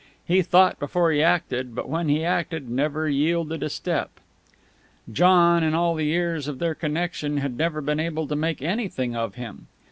He thought before he acted, but, when he acted, never yielded a step. John, in all the years of their connection, had never been able to make anything of him.